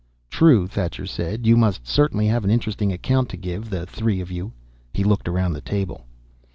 "True," Thacher said. "You must certainly have an interesting account to give, the three of you." He looked around the table.